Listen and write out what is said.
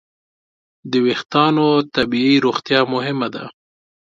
د وېښتیانو طبیعي روغتیا مهمه ده.